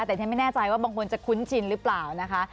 แต่ฉันไม่แน่ใจว่าบางคนจะคุ้นชินหรือเปล่านะคะ